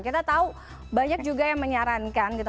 kita tahu banyak juga yang menyarankan gitu